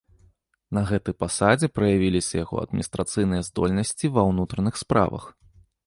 На гэтай пасадзе праявіліся яго адміністрацыйныя здольнасці ва ўнутраных справах.